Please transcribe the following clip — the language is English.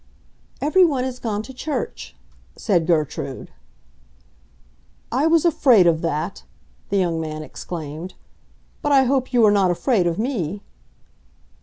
"Everyone has gone to church," said Gertrude. "I was afraid of that!" the young man exclaimed. "But I hope you are not afraid of me."